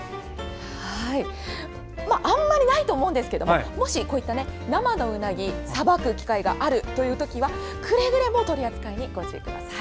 あんまりないと思うんですけどもし生のうなぎをさばく機会がある時はくれぐれも取り扱いにご注意ください。